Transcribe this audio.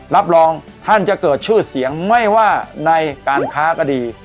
รับรองท่านจะเกิดชื่อเสียงไม่ว่าในการค้าก็ดี